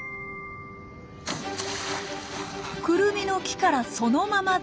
クルミの木からそのままダイブ。